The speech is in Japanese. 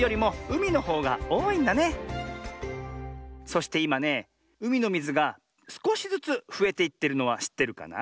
そしていまねうみのみずがすこしずつふえていってるのはしってるかな？